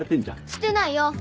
してないよ！